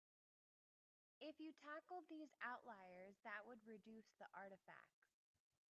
If you tackled these outliers that would reduce the artifacts.